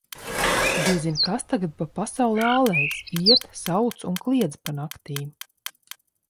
Diezin, kas tagad pa pasauli ālējas: iet, sauc un kliedz pa naktīm.